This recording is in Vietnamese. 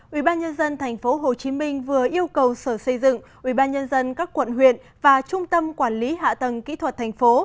ubnd tp hcm vừa yêu cầu sở xây dựng ubnd các quận huyện và trung tâm quản lý hạ tầng kỹ thuật thành phố